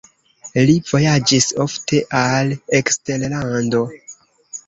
Li vojaĝis ofte al eksterlando.